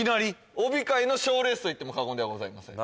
帯界の賞レースと言っても過言ではございません